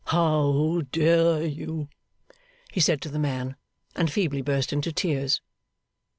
'How dare you!' he said to the man, and feebly burst into tears.